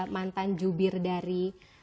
mantan jubir dari